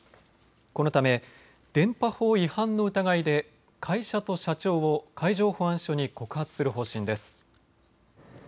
このため電波法違反の疑いで会社と社長を海上保安署に告発する方針です。